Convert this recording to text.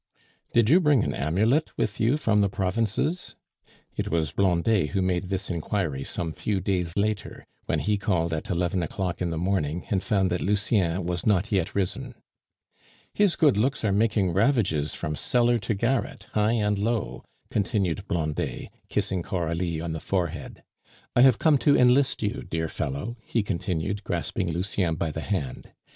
"Did you bring an amulet with you from the provinces?" It was Blondet who made this inquiry some few days later, when he called at eleven o'clock in the morning and found that Lucien was not yet risen. "His good looks are making ravages from cellar to garret, high and low," continued Blondet, kissing Coralie on the forehead. "I have come to enlist you, dear fellow," he continued, grasping Lucien by the hand.